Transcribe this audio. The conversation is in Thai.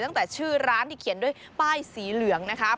ตั้งแต่ชื่อร้านที่เขียนด้วยป้ายสีเหลืองนะคะ